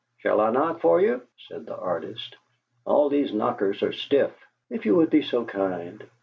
"Shall I knock for you?" said the artist. "All these knockers are stiff." "If you would be so kind!"